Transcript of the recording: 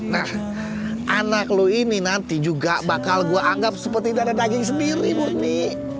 nah anak lu ini nanti juga bakal gue anggap seperti dada daging sendiri muti